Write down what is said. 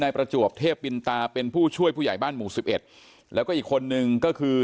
ประจวบเทพปินตาเป็นผู้ช่วยผู้ใหญ่บ้านหมู่สิบเอ็ดแล้วก็อีกคนนึงก็คือ